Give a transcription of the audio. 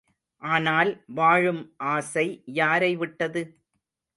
ஆனால் வாழும் ஆசை யாரை விட்டது?